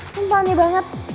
sumpah aneh banget